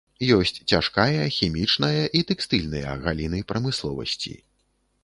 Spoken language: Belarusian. Ёсць цяжкая, хімічная і тэкстыльныя галіны прамысловасці.